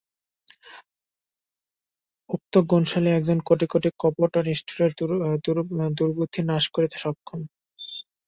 উক্ত গুণশালী একজন কোটি কোটি কপট ও নিষ্ঠুরের দুর্বুদ্ধি নাশ করিতে সক্ষম।